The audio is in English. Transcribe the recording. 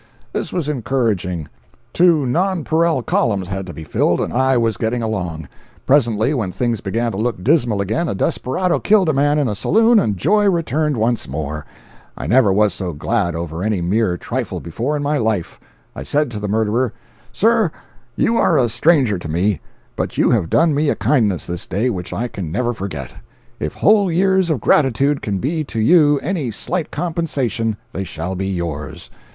This was encouraging. Two nonpareil columns had to be filled, and I was getting along. Presently, when things began to look dismal again, a desperado killed a man in a saloon and joy returned once more. I never was so glad over any mere trifle before in my life. I said to the murderer: "Sir, you are a stranger to me, but you have done me a kindness this day which I can never forget. If whole years of gratitude can be to you any slight compensation, they shall be yours.